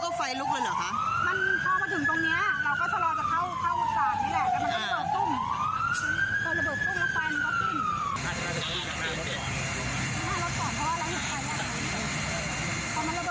เฮ้ยอะไรวะก็มวง